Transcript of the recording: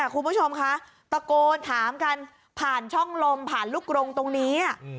คุณผู้ชมคะตะโกนถามกันผ่านช่องลมผ่านลูกกรงตรงนี้